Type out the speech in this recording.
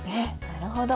なるほど。